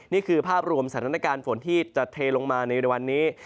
นี่คือภาพรวมสถานการณ์ฝนที่จะเทลงมาในวันนี้